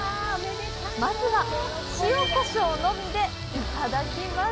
まずは、塩、こしょうのみでいただきます！